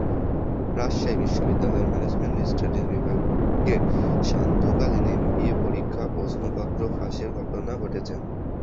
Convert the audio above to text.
রাজশাহী বিশ্ববিদ্যালয়ের management studies বিভাগের সান্ধ্যকালীন এমবিএ পরীক্ষা প্রশ্নপত্র ফাঁসের ঘটনা ঘটেছে।